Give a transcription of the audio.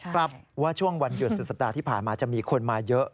ครับว่าช่วงวันเกิดสัปดาห์ที่ผ่านมาจะมีคนมาเยอะ